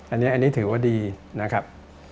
อันนี้ถือว่าดีนะครับ